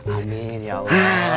amin ya allah